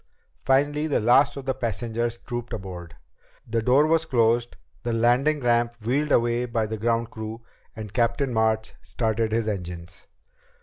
Finally the last of the passengers trooped aboard. The door was closed, the landing ramp wheeled away by the ground crew, and Captain March started his engines.